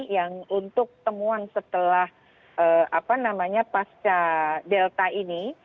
yang untuk temuan setelah pasca delta ini